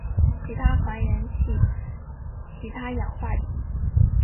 其他还原器其他氧化剂